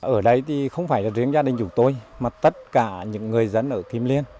ở đây thì không phải là riêng gia đình chúng tôi mà tất cả những người dân ở kim liên